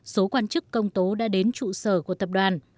số quan chức công tố đã đến trụ sở của tập đoàn